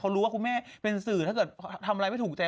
รู้ว่าคุณแม่เป็นสื่อถ้าเกิดทำอะไรไม่ถูกใจ